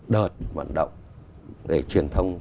đợt vận động để truyền thông